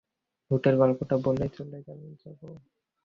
ভূতের গল্পটা বলেই চলে যাব।